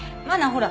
ほら。